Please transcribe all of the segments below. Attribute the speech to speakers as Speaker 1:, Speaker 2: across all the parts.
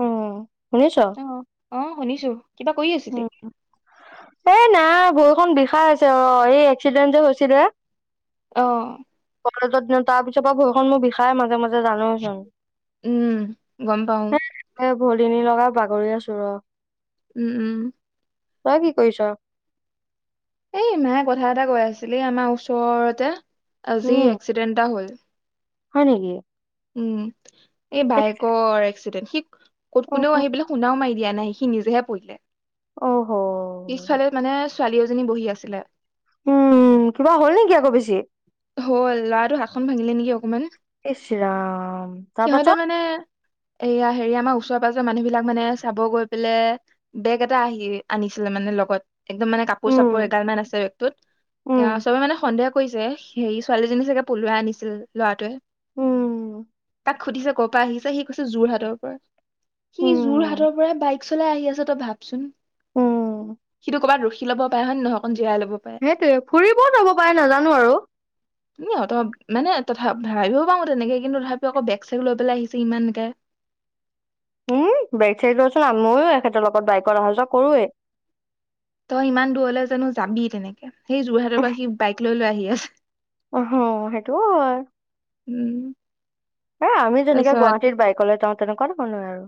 Speaker 1: উম শুনিছ
Speaker 2: অ' অ' শুনিছো কিবা কৰি আছ‌?
Speaker 1: উম,
Speaker 2: ছিলি
Speaker 1: এ নাই ভৰিখন বিষাই আছে অ এই এক্সিডেণ্ট যে হৈছিলে।
Speaker 2: অহ।
Speaker 1: কলেজত দিনা, তাৰ পিছৰ পৰা ভৰিখন মোৰ বিষাই মাজে মাজে জে জানই চোন।
Speaker 2: উম গম পাও
Speaker 1: [unintelligible] ভলিনী লগাই বাগৰি আছোঁ ৰ।
Speaker 2: উম উম।
Speaker 1: তই‌ কি কৰিছ?
Speaker 2: এই মায়ে কথা এটা কৈ আছিল আমাৰ ওচৰতে আজি
Speaker 1: উম
Speaker 2: এক্সিডেণ্ট এটা হ'ল।
Speaker 1: হয় নেকি?
Speaker 2: উম! এই বাইকৰ এক্সিডেণ্ট সি ক'ত কোনেও আহি পেলাই খুন্দাও মাৰি দিয়া নাই সি নিজেহে পঢ়িলে,
Speaker 1: অহ
Speaker 2: পিছফালে মানে ছোৱালী এজনী বহি আছিলে।
Speaker 1: উম, কিবা হ'ল নেকি আকৌ বেছি?
Speaker 2: হল। ' ল'ৰাটো হাতখন ভাঙিলে নেকি অকমান!
Speaker 1: ইচ ৰাম! তাৰপাছত?
Speaker 2: এইয়া হেৰি আমাৰ ওচৰ পাজৰৰ মানুহ বিলাক মানে চাব গৈ পেলে বেগ এটা আহি আনিছিলে মানে লগত। একদম মানে কাপোৰ চাপোৰ
Speaker 1: উম
Speaker 2: এগালমান আছে বেগটোত।
Speaker 1: উম
Speaker 2: এয়া চবে মানে সন্দেহ কৰিছে। হেৰি ছোৱালীজনী চাগে পলুৱাই আনিছিল ল'ৰাটোৱে।
Speaker 1: উম
Speaker 2: তাক সুধিছে ক পা আহিছে সি কৈছে যোৰহাটৰ পৰা। সি
Speaker 1: উম
Speaker 2: যোৰহাটৰ পৰাই বাইক চলাই আহি আছে তই ভাবচোন।
Speaker 1: উম
Speaker 2: সিটো ক'বাত ৰখি ল'ব পাৰে হয় নে নহয় অকন
Speaker 1: সেইটোৱে, ফুৰিবও যাব পাৰে নাজানো আৰু।
Speaker 2: সিহঁতৰ মানে তথা ভাবিও পাওঁ তেনেকে কিন্তু তথাপিও আকৌ বেগ -চেগ লৈ পেলাই আহিছে ইমানকে।
Speaker 1: [inaudible] উম বেক চাইড চোন ময়ো এখেতৰ লগত বাইকৰত অহা যোৱা কৰোঁৱেই
Speaker 2: তই ইমান দূৰলৈ জানো যাবি তেনেকে সেই যোৰহাটৰ পৰা সি বাইক লৈ লৈ আহি আছে
Speaker 1: অহ সেইটো হয়।
Speaker 2: উম
Speaker 1: এ আমি যেনেকে
Speaker 2: তাৰপিছত
Speaker 1: গুৱাহাটীত বাইকলৈ যাওঁ তেনেকুৱা ধৰণে [unintelligible] আৰু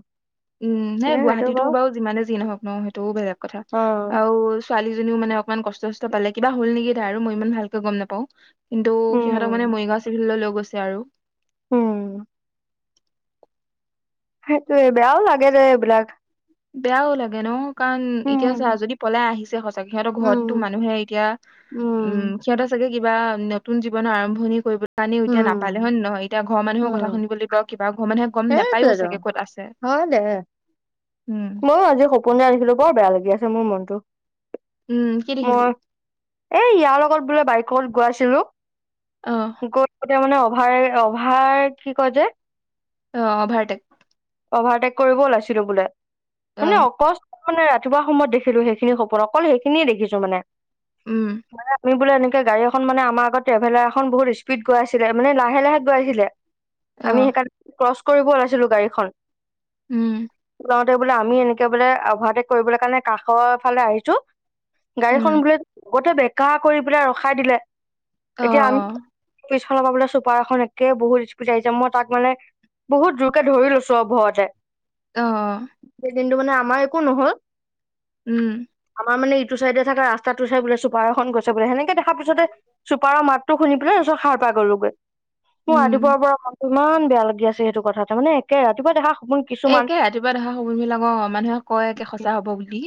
Speaker 2: উম হে
Speaker 1: কিন্তু সেইটো
Speaker 2: গুৱাহাটীতো বাৰু যিমানে যি নহওক ন সেইটোও বেলেগ কথা
Speaker 1: অ
Speaker 2: আৰু ছোৱালীজনীও মানে ইমান কষ্ট চষ্ট পালে কিবা হল নেকি তাই আৰু মই ইমান ভালকে গম নাপাও। [unintelligible] কিন্তু সিহঁতক মানে
Speaker 1: উম
Speaker 2: মৰিগাঁও -চৰিগাওঁলৈ লৈ গৈছে আৰু।
Speaker 1: উম সেইটোয়ে বেয়াও লাগে যে এইবিলাক।
Speaker 2: বেয়া ও লাগে ন। কাৰণ এতিয়া চা
Speaker 1: উম
Speaker 2: যদি পলাই আহিছে সঁচাকে সিহঁতৰ ঘৰতো
Speaker 1: উম
Speaker 2: মানুহে এতিয়া উম সিহঁত চাগে কিবা নতুন জীৱনৰ আৰম্ভণি কৰিব কাহানিও এতিয়া নাপালে
Speaker 1: উম
Speaker 2: হয় নহয় এতিয়া ঘৰৰ মানুহে
Speaker 1: উম
Speaker 2: কথা শুনিব লাগিব কিবা ঘৰ মানুহে গম নাপায়ো চাগে ক'ত আছে
Speaker 1: হ
Speaker 2: উম,
Speaker 1: ময়ো আজি সপোন যে আনিছিলো বৰ বেয়া লাগি আছে মোৰ মনটো
Speaker 2: উম, কি দেখিলি?
Speaker 1: মই এই ইয়াৰ লগত বোলে বাইকত গৈছিলো।
Speaker 2: আহ
Speaker 1: তে মানে অভাৰ -অভাৰ কি কয় যে
Speaker 2: অহ, অভাৰটেক
Speaker 1: অভাৰটেক কৰিব ওলাইছিলো বোলে কোনে
Speaker 2: অ',
Speaker 1: অকচ মানে ৰাতিপুৱা সময়ত দেখিলো সেইখিনি খবৰ অকল সেইখিনিয়ে দেখিছো মানে।
Speaker 2: উম,
Speaker 1: মানে আমি বোলে এনেকে গাড়ী এখন মানে আমাৰ আগত টেভেলাৰ এখন বহুত স্পীড গৈ আছিলে মানে লাহে- লাহে গৈ আছিলে আমি
Speaker 2: অ',
Speaker 1: সেইকাৰণ ক্ৰচ কৰিব ওলাইছিলো গাড়ীখন।
Speaker 2: উম!
Speaker 1: যাওঁতে বোলে আমি এনেকে বোলে অভাৰটেক কৰিব কাৰণে কাষৰ ফালে আহিছো।
Speaker 2: উম।
Speaker 1: গাড়ীখন বোলে লগতে বেকা কৰি পেলাই ৰখাই দিলে।
Speaker 2: অ।
Speaker 1: পিছফাল পৰা বোলে চুপাৰ এখন একে বহুত স্কুল স্পিদ আহিছে মই তাক মানে [unintelligible] বহুত দূৰকে ধৰি লৈছো অ ভয়তে।
Speaker 2: আহ
Speaker 1: টো মানে আমাৰ একো নহল
Speaker 2: উম
Speaker 1: অ'মানে ইটো চাইডে থকা ৰাস্তাটো চাই বোলে চুপাৰ এখন গৈছে সেনেকে দেখা পিছতে চুপাৰৰ মাততো শুনি পেলাই সাৰ পাই গলোগৈ মোৰ
Speaker 2: উম
Speaker 1: ৰাতিপুৱাৰ পৰা মন [unintelligible] ইমান বেয়া লাগি আছে সেইটো কথাতে মানে একে ৰাতিপুৱা দেখা সপোন
Speaker 2: এ
Speaker 1: কিছুমান
Speaker 2: 'কে ৰাতিপুৱা দেখা সপোন বিলাক মানুহে কয় একে সঁচা হব বুলি।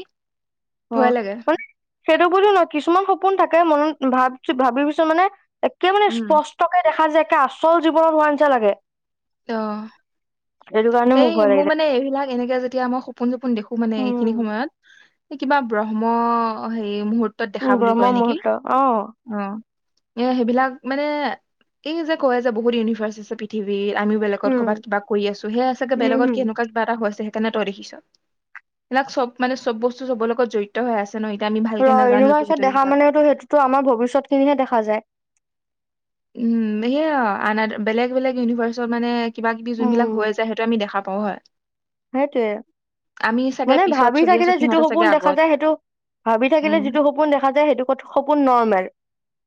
Speaker 1: অ
Speaker 2: ভয় লাগে।
Speaker 1: মানে সেইটো বুলিও নহয় কিছুমান সপোন থাকে মনত ভাবছ ভাবিছো মানে একে মানে
Speaker 2: উম
Speaker 1: স্পষ্টকে দেখা যোয় একে আচল জীৱনত হোৱাৰ নিচা লাগে।
Speaker 2: অহ
Speaker 1: সেইটো কাৰণে
Speaker 2: এই
Speaker 1: ভয় লাগি
Speaker 2: মোৰ
Speaker 1: থাকে
Speaker 2: মানে এইবিলাক এনেকে যেতিয়া মই সপোন-চপোন সপোন দেখো মানে এইখিনি
Speaker 1: উম
Speaker 2: সময়ত কিবা ব্ৰহ্ম হেই মুহৰ্ত ত
Speaker 1: উম
Speaker 2: দেখা বুলি কয়
Speaker 1: ব্ৰহ্ম
Speaker 2: নেকি
Speaker 1: মুহূৰ্ত অ
Speaker 2: অ। এ সেইবিলাক মানে এই যে কয় যে বহুত ইউনিভাৰ্চ আছে পৃথিৱীত আমিও বেলেগত
Speaker 1: উম
Speaker 2: ক'বাত কা কৰি আছো সেয়া চাগে
Speaker 1: উম
Speaker 2: বেলেগত
Speaker 1: হম
Speaker 2: কেনেুৱা কিবা হৈছে কেনে তই দেখিছ এইবিলাক চব মানে চব বস্তু চবৰ লগত জড়িত হৈ আছে। ন এতিয়া আমি
Speaker 1: ৰ
Speaker 2: ভালকে নাজানো
Speaker 1: ইউনিভাৰ্চত
Speaker 2: যিহেতু
Speaker 1: দেখা
Speaker 2: এইবিলাক
Speaker 1: মানেো সেইটোতো আমাৰ ভৱিষ্যত খিনিহে দেখা যায়।
Speaker 2: উম সেয়য়া আন বেলেগ বেলেগ ইউনিভাৰ্চত মানে কিবা কিবি যোনবিলাক হৈ যায় সেইটো আমি দেখা প প হয়
Speaker 1: সেইটোৱে
Speaker 2: আমি চাগে
Speaker 1: মানে
Speaker 2: পিছত
Speaker 1: ভাবি
Speaker 2: চলি আছো
Speaker 1: থাকিলে যিটো
Speaker 2: সিহঁতে চাগে
Speaker 1: সপোন দেখা
Speaker 2: আগত।
Speaker 1: যায় সেইটো ভাবি থাকিলে
Speaker 2: উম,
Speaker 1: যিটো সপোন দেখা যায় সেইটো সপোন নৰ্মেল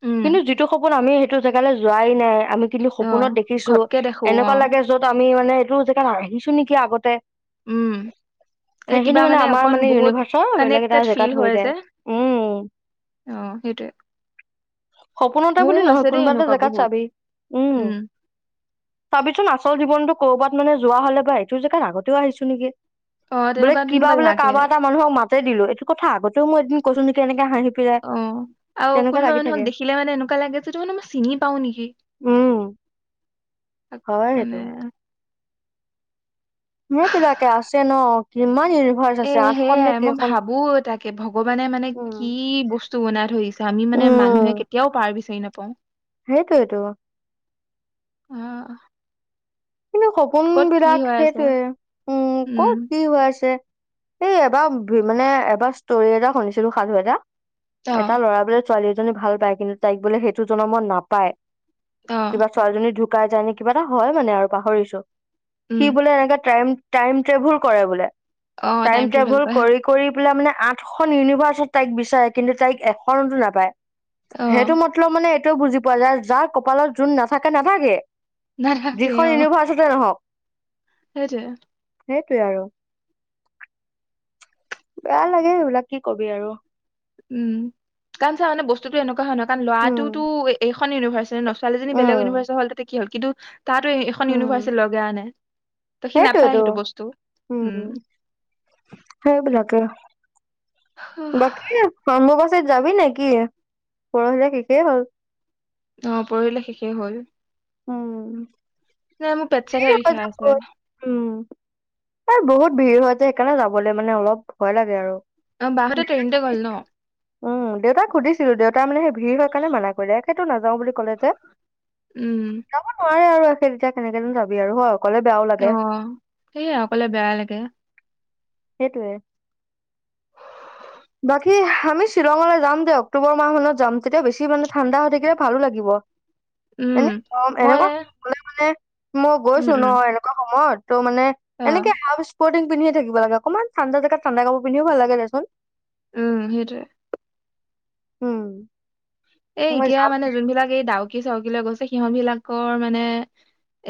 Speaker 2: উম,
Speaker 1: কিন্তু যিটো সপোন আমি- এইটো জেগালৈ যোৱাই নাই আমি কিন্তু
Speaker 2: অ',
Speaker 1: সপোনত দেখিছো
Speaker 2: ঘপকে দেখো
Speaker 1: এনেকুৱা
Speaker 2: অ',
Speaker 1: লাগে যত আমি মানে। এই যেগাত আহিছো নেকি আগতে।
Speaker 2: উম। এই
Speaker 1: সেইখিনি
Speaker 2: কিবা মানে
Speaker 1: আমাৰ
Speaker 2: অকণ বহুত
Speaker 1: ইউনিভাৰ্চৰ বেলেগ এটা
Speaker 2: কানেক্টেড
Speaker 1: জেগাত
Speaker 2: ফিল
Speaker 1: হৈ
Speaker 2: হয়
Speaker 1: যায়
Speaker 2: যে।
Speaker 1: উম
Speaker 2: আহ সেইটোৱে।
Speaker 1: সপোনতা
Speaker 2: মোৰো
Speaker 1: বুলি নহয়
Speaker 2: হৈছে দেই
Speaker 1: কোনোবা এটা
Speaker 2: এনেকুৱা
Speaker 1: জেগাত
Speaker 2: বহুত।
Speaker 1: চাবি উম। চাবিচোন? আচল জীৱনতটো কৰ'ৰবাত মানে যোৱা হলে বা এইটো জেগাত আগতেও আহিছো নেকি?
Speaker 2: অ',
Speaker 1: বোলে
Speaker 2: তেনেকুৱা
Speaker 1: কিবা
Speaker 2: তেনেকুৱা
Speaker 1: বোলে
Speaker 2: লাগে
Speaker 1: কাৰোবা এটা মানুহক মাতে দিলো এইটো কথা আগতেও মই এদিন কৈছো নি এনেকে হাঁহি। পেলাই
Speaker 2: অহ, আৰু
Speaker 1: তেনেকুৱা
Speaker 2: কোনোবা ম
Speaker 1: লাগি
Speaker 2: যিনহক
Speaker 1: থাকে
Speaker 2: দেখিলে মানে এনেকুৱা লাগে যিটো মানে মই চিনি পাওঁ নেকি।
Speaker 1: উম হয় সেইটো
Speaker 2: উম।
Speaker 1: মোৰ বিলাকে আছে ন কিমান ইউনিভাৰ্চ
Speaker 2: এ
Speaker 1: আছে। আঠখন নে
Speaker 2: সেয়াই মই
Speaker 1: কেইখন
Speaker 2: ভাবো তাকে ভগৱানে মানে
Speaker 1: উম
Speaker 2: কি বস্তু বনাই থৰিছে আমি মানে মানুহে। ম কেতিয়াও পাৰ বিচাৰি নাপাওঁ
Speaker 1: সেইটোৱেইটো।
Speaker 2: আহ।
Speaker 1: কিন্তু সপোন
Speaker 2: ক'ত কি
Speaker 1: বিলাক
Speaker 2: হৈ আছে
Speaker 1: সেইটোয়ে উ
Speaker 2: উম
Speaker 1: কত কি হৈ আছে। এই এবাৰ মানে এবাৰ ষ্টৰি এটা শুনিছিলো সাধু এটা-
Speaker 2: অ
Speaker 1: এটা ল'ৰা বোলে ছোৱালী এজনী ভাল পায় কিন্তু তাইক বোলে সেইটো জনমত নাপায়
Speaker 2: অ
Speaker 1: কিবা ছোৱালী- শুকাই যায় নে কিবা এটা হয় মানে আৰু পাহৰিছো সি
Speaker 2: উম
Speaker 1: বোলে এনেকা ট্ৰাইম টাইম ট্ৰেবুল কৰে বোলে
Speaker 2: অ
Speaker 1: টাইম
Speaker 2: ট্ৰেভেল
Speaker 1: ট্ৰেবুল
Speaker 2: কৰা
Speaker 1: কৰি কৰি। পেলাই মানে আঠখন ইউনিভাৰ্চত তাইক বিচাৰে কিন্তু তাইক এখনতো নাপায়।
Speaker 2: অ
Speaker 1: সেইটো মতলব মানে এইটো বুজি পোৱা যায় যাৰ কপালত যোন নাথাকে - নাথাকে।
Speaker 2: নথাকে।
Speaker 1: এখন ইউনিভাৰ্চিতে নহওক।
Speaker 2: সেইটোৱে।
Speaker 1: সেইটোৱে আৰু বেয়া লাগে এইবিলাক কি কবি আৰু।
Speaker 2: উম কাৰণ চা মানে বস্তুতটো এনেকুৱা হয় ন কাৰণ
Speaker 1: উম,
Speaker 2: ল'ৰাটোতো এইখন ইউনিভাৰ্চিটি ন ছোৱালীজনী বেলেগ
Speaker 1: উম,
Speaker 2: ইউনিভাৰ্চৰ হল তাতে কি হল, কিন্তু তাতো এখন
Speaker 1: উম,
Speaker 2: ইউনিভাৰ্চি লগাই আনে ত সি
Speaker 1: সেইটোয়েতো
Speaker 2: নাপায় সেইটো বস্তু উম।
Speaker 1: সেইবিলাকেই। বাকী [unintelligible] যাবি নেকি পৰখিলে শেষেই হল।
Speaker 2: অ পঢ়িলে শেষেই হল।
Speaker 1: উম
Speaker 2: নাই মোৰ পেট চেটহে বিষাই আছে
Speaker 1: [unintelligible] উম এই বহুত। ভিৰ হয়তে সেইকাৰণে যাবলে মানে অলপ ভয় লাগে আৰু।
Speaker 2: অ বাহঁতে ট্ৰেইনতে গ'ল ন
Speaker 1: উম দেউতাক সুধিছিলো দেউতা তাৰ মানে সেই ভিৰ হয় কাৰণে মানা কৰিলে সেইটো নাযাও বুলি ক'লে তে।
Speaker 2: উম।
Speaker 1: প আৰু একে তেতিয়া কেনেকে নো যাবি আৰু হ।
Speaker 2: অ সে অকলে বেয়া লাগে।
Speaker 1: সেইটোৱে। বাকী আমি শ্বিলঙলৈ যাম যে অক্টোবৰ মাহ মত যাম তেতিয়া বেছি মানে ঠাণ্ডা হৈ থাকিলে ভালো লাগিব।
Speaker 2: উম
Speaker 1: এনেম
Speaker 2: মই
Speaker 1: এনেকুৱা কলে মানে মই
Speaker 2: উম
Speaker 1: গৈছো ন
Speaker 2: উম
Speaker 1: এনেকুৱা সময়ত, ত' মানে
Speaker 2: অ
Speaker 1: এনেকে হাফ স্পৰ্টিং। পিধি থাকিবাগ অকমান ঠাণ্ডা জগাত ঠাণ্ডা কাপোৰ পিন্ধিও ভাল লাগ দেচোন।
Speaker 2: উম হেইতোৱে।
Speaker 1: হুম
Speaker 2: এ এতিয়া মানে যোনবিলাক এই ডাউকি চাউকিলে গৈছে, সিহঁমিল আকৈ মানে।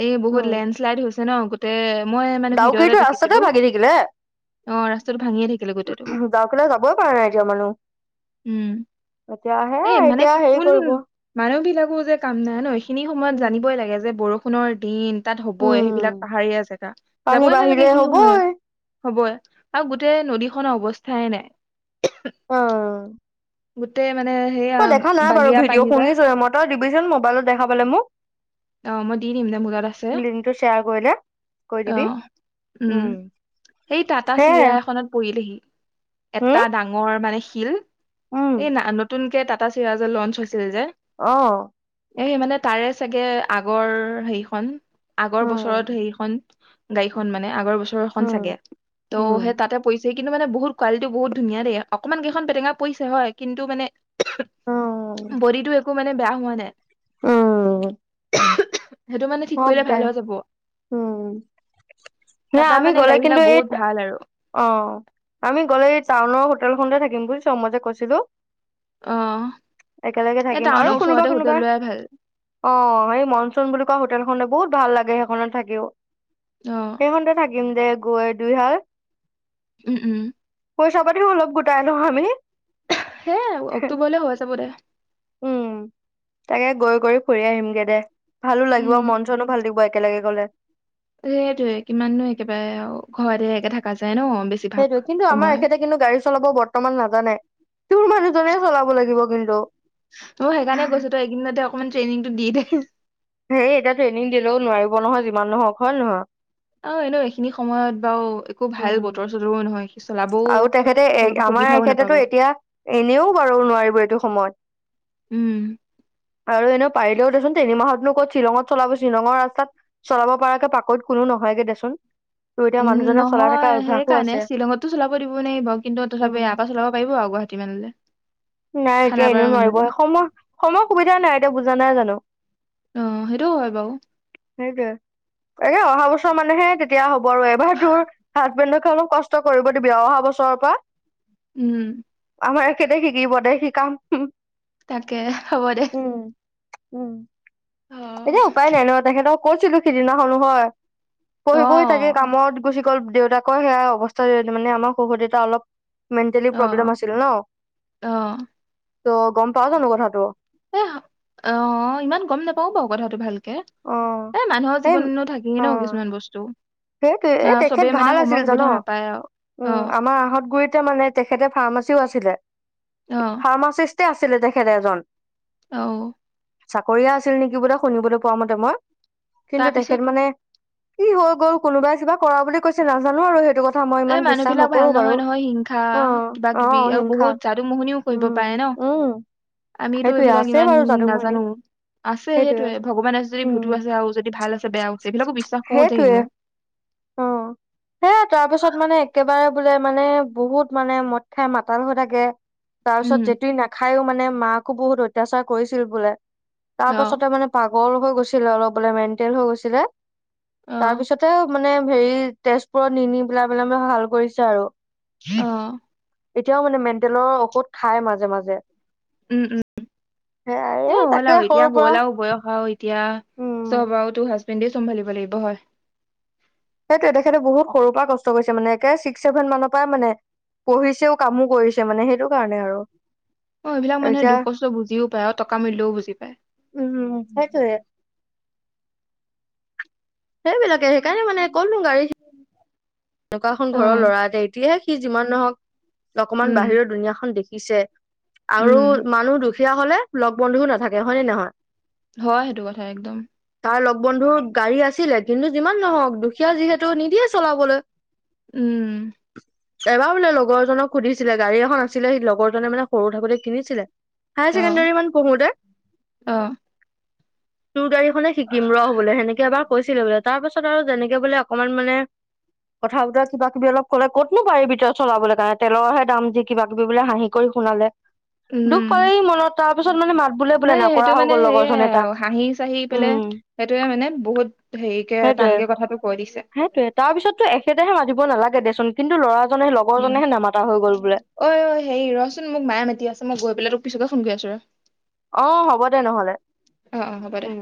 Speaker 2: এই বহুত
Speaker 1: উম
Speaker 2: লেণ্ড শ্লাইড হৈছে ন গোটেই মই মানে ভিডিঅ' এটা
Speaker 1: ডাউকিতো
Speaker 2: দেখিছিলো। অ', ৰাস্তাত
Speaker 1: গাকলৈ যাব পাৰ নজ মানুহ।
Speaker 2: উম
Speaker 1: এতিয়া
Speaker 2: এই
Speaker 1: হেই
Speaker 2: মানে
Speaker 1: এতিয়া হেৰি
Speaker 2: কোন
Speaker 1: কৰিব
Speaker 2: মানুহ বিলাকো যে কাম নাই ন এইখিনি সময়ত
Speaker 1: উম
Speaker 2: জানিবই লাগে যে বৰষুণৰ দিন- তাত হ'বই
Speaker 1: উম
Speaker 2: সেইবিলাক পাহাৰীয়া জেগা
Speaker 1: পানী
Speaker 2: যাবই
Speaker 1: বাঢ়িলে
Speaker 2: নালাগে সখিনি সময়ত।
Speaker 1: হবই
Speaker 2: হবয়ে আৰু গোটেই নদীখনৰ অৱস্থাই নাই।
Speaker 1: অ
Speaker 2: গোটেই মানে সেইয়া
Speaker 1: মই দেখা নাই বাৰু
Speaker 2: বালিয়া
Speaker 1: ভিডিঅ'
Speaker 2: পানী পা।
Speaker 1: শুনিছোহে মই তই দিবিচোন মোবাইলত দেখা পালে মোক
Speaker 2: অ', মই দি দিম দে মোৰ লগত আছে।
Speaker 1: লিংকটো শ্বেয়াৰ কৰিলে কৰি দিবি
Speaker 2: আহ উম সেই টাটা চিৰা
Speaker 1: সেয়াই
Speaker 2: এখনত পৰিলেহি
Speaker 1: হম
Speaker 2: এটা ডাঙৰ মানে শিল
Speaker 1: উম
Speaker 2: এই নতুনকে টাটা চিৰাজ লঞ্চ হৈছিল যে।
Speaker 1: অ'।
Speaker 2: এ সেই মানে তাৰে চাগে আগৰ সেইখন আগৰ বছৰত
Speaker 1: উম
Speaker 2: সেইখন গাড়ী খন মানে আগৰ বছৰ খন
Speaker 1: উম
Speaker 2: চাগে ত'
Speaker 1: উম।
Speaker 2: সেই তাতে পইচ সেই কিন্তু মানে বহুত কোৱালিটি বহুত ধুনীয়া দেই অকমান কেইখন পেটেঙা পৰিছে হয় কিন্তু মানে
Speaker 1: অ,
Speaker 2: বডিটো একো মানে বেয়া হোৱা নাই
Speaker 1: উম।
Speaker 2: সেইটো মানে ঠিক
Speaker 1: হওক
Speaker 2: কৰিলে
Speaker 1: দে
Speaker 2: ভাল হৈ যাব
Speaker 1: উম হে
Speaker 2: টাটা
Speaker 1: আমি
Speaker 2: মানে
Speaker 1: গলা
Speaker 2: গাড়ী বিলাক
Speaker 1: কিন্তু এই
Speaker 2: বহুত ভাল আৰু
Speaker 1: অ আমি গ'লে টাউনৰ হোটেলখনতে থাকিম বুলি চ মতে কৈছিলো।
Speaker 2: অ
Speaker 1: একেলগে
Speaker 2: এই
Speaker 1: থাকিম আৰু
Speaker 2: টাউনৰ
Speaker 1: কোনোবা
Speaker 2: ওচৰতে হোটেল
Speaker 1: কোনোবা।
Speaker 2: লোৱাই ভাল
Speaker 1: অ', সেই মনচুন বুলি কোৱা হোটেল খন বহুত ভাল লাগে সেইখনত থাকিও
Speaker 2: অ
Speaker 1: সেইখনতে থ কিম দে গৈ দুইহাল
Speaker 2: উম উম।
Speaker 1: পইচা পাতিও অলপ গোটাই লও আমি।
Speaker 2: সেই আৰু অক্টোবৰলৈ হৈ চাব দে।
Speaker 1: উম তাকে গৈ গ ফুৰি আহিমগে দে ভালো লাগিব
Speaker 2: উম
Speaker 1: মন চনো ভাল থাকিব। একেলগে গ'লে
Speaker 2: সেইটোৱে কিমাননো একেবাৰে ঘৰতে একে থাকা যায় ন! বেছিভাগ
Speaker 1: সেইটোৱে কিন্তু আমাৰ
Speaker 2: সময়
Speaker 1: এখেতে কিন্তু গাড়ী চলাব বৰ্তমান নাজানে। তোৰ মানুহজনে চলাব লাগিব কিন্তু।
Speaker 2: মই সেইকাৰণে গৈছো তই এইকদিনতে
Speaker 1: হেই এতিয়া ট্ৰেইনিং দিলেও নোৱাৰিব নহয় যিমান নহওক হয় নে নহয়।
Speaker 2: অ', এনেও এইখিনি সময়ত বাৰু একো ভাল বতৰ চতৰো নহয়। চলাবও
Speaker 1: আৰু তেখেতে এ
Speaker 2: তেনেকুৱা
Speaker 1: আমাৰ
Speaker 2: সুবিধাও নাপাব
Speaker 1: এখতেতো এতিয়া এনেও বাৰু নোৱাৰিব এইটো সময়ত।
Speaker 2: উম।
Speaker 1: আৰু এনে পাৰিলেও দেচোন তিনি মাহতনো ক'ত শ্বিলঙত চলাব শ্বিলঙৰ ৰাস্তাত চলাব পৰাাৰকে পাকৈত কোনো নহয়গে দেচোন। ত এতিয়া
Speaker 2: উম
Speaker 1: মানুহজনৰ চলাই
Speaker 2: নহয়
Speaker 1: থকা অভ্যাসো
Speaker 2: সেইকাৰণে
Speaker 1: আছে।
Speaker 2: শ্বিলঙততো চলাব দিব নোৱাৰ বাৰু কিন্তু
Speaker 1: উম,
Speaker 2: তথাপি আশাক চলাব পাৰিব আৰু গুৱাহাটী মানলৈ
Speaker 1: নাই এতিয়া এনেও নোৱাৰিব সেই সময় সময় সুবিধা নাই এতিয়া বুজা নাই জানো।
Speaker 2: অ সেইটো হয় বাৰু
Speaker 1: সেইটোৱে তাকে অহা বছৰ মানেহে তেতিয়া হ'ব আৰু এবাৰ তোৰ হাজবেণ্ডক অলপ কষ্ট কৰিব দিবি অহা বছৰৰ পৰা
Speaker 2: উম।
Speaker 1: আমাৰ একেতে শিকিব দে শিকাম
Speaker 2: তাকে হ'ব দে
Speaker 1: উম উম
Speaker 2: অ
Speaker 1: এতিয়া উপায় নাই ন তেখেতক কৈছিলো সিদিনাখনো হয়।
Speaker 2: অ
Speaker 1: পঢ়ি পঢ়ি তাকে কামত গুচি গ'ল দেউতাকৰ সেয়া অৱস্থা মানে আমাৰ শহু দেউতা অলপ- মেণ্টেলি
Speaker 2: অ
Speaker 1: প্ৰব্লেম আছিল ন।
Speaker 2: অ
Speaker 1: ত' গম পাও জানো কথাটো।
Speaker 2: এ, অ ইমান গম নাপাও বাৰু কথাটো ভাল- কে
Speaker 1: অ
Speaker 2: মানুহৰ
Speaker 1: সেই
Speaker 2: জীৱন থাকেই ন কিছুমান বস্তু।
Speaker 1: সেইটো
Speaker 2: অ
Speaker 1: এই তেখেত
Speaker 2: চবেই মানে
Speaker 1: ভাল
Speaker 2: সময়
Speaker 1: আছিল জান
Speaker 2: সুবিধা নাপায় আৰু অ
Speaker 1: উম আমাৰ আহত গুৰিতে মানে তেখেতে ফাৰ্ম- চেও আছিলে,
Speaker 2: অ
Speaker 1: ফাৰ্মাচিষ্টে আছিলে তেখেততে এজন।
Speaker 2: অও
Speaker 1: চাকৰিয়া আছিল নেকি বোলে শুনিবলৈ পোৱা মতে মই, কিন্তু
Speaker 2: তাৰপিছত
Speaker 1: তেখেত মানে কি হৈ গ'ল কোনোবাই কিবা কৰা বুলি কৈছে। নাজানো আৰু সেইটো কথ- থা মই
Speaker 2: এই
Speaker 1: ইমান
Speaker 2: মানুহ
Speaker 1: বিশ্বাস
Speaker 2: বিলাক ভাল
Speaker 1: নকৰো বাৰু,
Speaker 2: নহয় নহয় হিংসা
Speaker 1: অ
Speaker 2: কিবা
Speaker 1: অ
Speaker 2: কিবি আৰু
Speaker 1: হিংসা,
Speaker 2: বহুত যাদু মোহনিও কৰিব
Speaker 1: উম।
Speaker 2: পাৰে ন
Speaker 1: উম।
Speaker 2: আমিতো
Speaker 1: সেইটোয়ে
Speaker 2: এইবিলাক
Speaker 1: আছে
Speaker 2: ইমান
Speaker 1: বাৰু যাদুমণি
Speaker 2: নাজানো। আছে
Speaker 1: সেইটোয়ে
Speaker 2: সেইটোৱে ভগৱানে আছে যদি
Speaker 1: উম,
Speaker 2: ভূতু আছে আৰু যদি ভাল আছে বেয়াও আছে এইবিলাকো বিশ্বাস কৰো দেই
Speaker 1: সেইটোয়ে
Speaker 2: মই।
Speaker 1: অ'। সে তাৰ পিছত মানে একেবাৰে বোলে মানে বহুত মানে মদ খাই মাতাল হৈ থাকে। তাৰ পিছত
Speaker 2: উম
Speaker 1: জেতি নাখায়ো মানে মাকো বহুত অত্যাচাৰ কৰিছিল বোলে। তাৰ
Speaker 2: অ
Speaker 1: পাছতে মানে পাগল হৈ গৈছিলে অলপ বোলে মেনটেল হৈ গৈছিলে
Speaker 2: অ
Speaker 1: তাৰপিছত- মানে হেৰি তেজপুৰত নিনি পেলাই মানে ভাল কৰিছে আৰু।
Speaker 2: অ
Speaker 1: এতিয়াও মানে মেণ্টেলৰ ঔষধ খাই মাজে মাজে।
Speaker 2: উম উম।
Speaker 1: সেয়াই
Speaker 2: এ
Speaker 1: এই
Speaker 2: হ'ল
Speaker 1: তাকে
Speaker 2: আৰু এতিয়া
Speaker 1: সৰুৰ পৰা
Speaker 2: গ'ল আও বয়স আও এতিয়া
Speaker 1: উম।
Speaker 2: চব আৰু তোহ হাজ- বেন্দে চম্ভালিব লাগিব হয়।
Speaker 1: সেইটোৱে তেখেতে বহুত সৰুৰ পৰা কষ্ট কৰিছে মানে একে ছিক্স ছেভেন মানৰ পৰাই মানে। পঢ়িছেও কামো কৰিছে মানে সেইটো কাৰণে আৰু।
Speaker 2: অ এইবিলাক মানুহে
Speaker 1: এতিয়া
Speaker 2: দুখ কষ্ট বুজিও পায় আৰু টকা মূল্যও বুজি পায়।
Speaker 1: উম সেইটোয়ে সেইবিলাকে সেইকাৰণে মানে ক'ত নো গাড়ী- এনেকুৱা এখন
Speaker 2: অ
Speaker 1: ঘৰৰ ল'ৰা এটি এতিয়াহে সি যিমান নহওক অকমান
Speaker 2: উম
Speaker 1: বাহিৰৰ দুুনীয়াখন দেখি- শিকিছে আৰু
Speaker 2: উম
Speaker 1: মানুহ দুখীয়া হলে লগ বন্ধুও নাথাকে হয় নে নহয়।
Speaker 2: হয় সেইটো কথা একদম।
Speaker 1: আৰু লগ বন্ধুৰ গাড়ী আছিলে কিন্তু যিমান নহওক দুখীয়া যিহেতু নিদিয়ে চলাবলৈ-
Speaker 2: উম।
Speaker 1: এবাৰ বোলে লগৰজনক সুধিছিলে, গাড়ী এখন আছিলে সি লগৰজনে মানে সৰু থাকোতে কিনিছিলে। হায়
Speaker 2: অ
Speaker 1: ছেকেণ্ডাৰী মান পঢ়োতে।
Speaker 2: অ
Speaker 1: তো গাড়ী শিকিম ৰ বোলে সেনেকে এবাৰ কৈছিলে বোলে তাৰ পাছত আৰু যেনেকে বোলে অকমান মানে- কথা বতৰা কিবা কিবি অলপ কলে ক'তনো পাৰিব তই চলাবলে কাইট তেলৰহে দাম দি কিবা কিবি বোলে হাঁহি কৰি শুনালে। দুখ
Speaker 2: উম
Speaker 1: পালে সি মনত তাৰ পিছত মানে মাত বোলে বোলে
Speaker 2: নাই সেইটো
Speaker 1: নকৰা হৈ গ'ল লগৰ জনে তাক। উম
Speaker 2: সেইটোয়ে মানে বহুত হেৰি কে
Speaker 1: সেইটোয়ে
Speaker 2: টানকে কথাটো কৈ দিছে।
Speaker 1: সেইটোয়ে তাৰ পিছততো এখেতেহে মাটিব নালাগে দেচোন কিন্তু ল'ৰা
Speaker 2: উম ঐ হেৰি ৰচোন মোক মায়ে মাতি আছে মই গৈ পেলাই তোক পিছকে ফোন কৰি আছো ৰ
Speaker 1: আহ হ'ব দে নহলে
Speaker 2: অ অ হ'ব দে
Speaker 1: উম